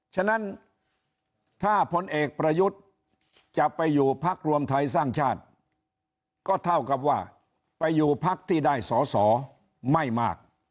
ฉะนั้นถ้าพลเอกประยุทธ์จะไปอยู่พักรวมไทยสร้างชาติก็เท่ากับว่าไปอยู่พักที่ได้สอสอไม่มาก